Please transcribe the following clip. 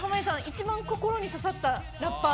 一番心に刺さったラッパー